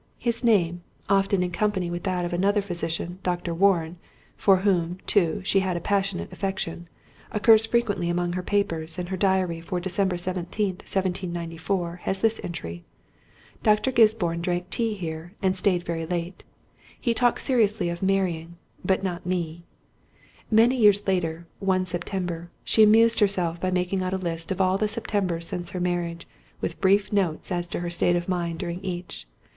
His name—often in company with that of another physician, Dr. Warren, for whom, too, she had a passionate affection—occurs frequently among her papers; and her diary for December 17, 1794, has this entry:—"Dr. Gisborne drank tea here, and staid very late: he talked seriously of marrying—but not me." Many years later, one September, she amused herself by making out a list of all the Septembers since her marriage, with brief notes as to her state of mind during each.